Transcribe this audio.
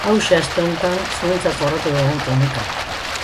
Hauxe aste honetan zuentzat jorratu dugun kronika.